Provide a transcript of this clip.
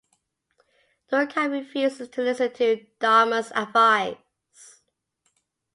Dukat refuses to listen to Damar's advice.